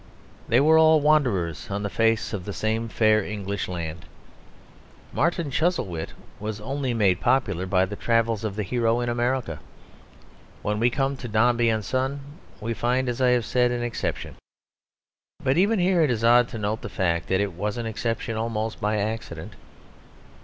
They were all wanderers on the face of the same fair English land. Martin Chuzzlewit was only made popular by the travels of the hero in America. When we come to Dombey and Son we find, as I have said, an exception; but even here it is odd to note the fact that it was an exception almost by accident.